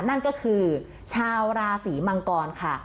นั่นก็คือชาวราศีมังกรค่ะ